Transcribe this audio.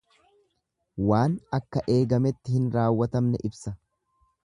Waan akka eegametti hin raawwatamne ibsa.